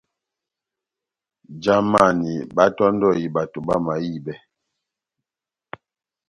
Jamani báhátɔ́ndɔhi bato bamahibɛ.